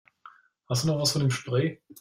Hast du noch was von dem Spray?